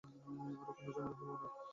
আর কোনো ঝামেলা হল না।